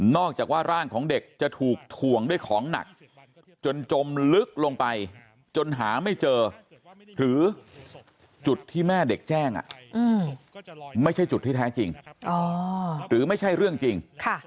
จากว่าร่างของเด็กจะถูกถ่วงด้วยของหนักจนจมลึกลงไปจนหาไม่เจอหรือจุดที่แม่เด็กแจ้งไม่ใช่จุดที่แท้จริงหรือไม่ใช่เรื่องจริง